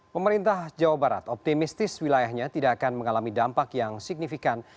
pemerintah jawa barat optimistis wilayahnya tidak akan mengalami dampak yang signifikan